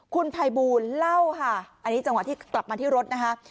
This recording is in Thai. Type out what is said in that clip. คุณภัยบูลเล่าค่ะอันนี้จังหวะที่กลับมาที่รถนะคะ